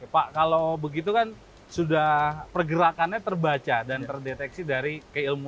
pak kalau begitu kan sudah pergerakannya terbaca dan terdeteksi dari kppi